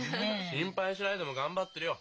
心配しないでも頑張ってるよ